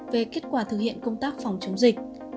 về kết quả thực hiện công tác phòng chống dịch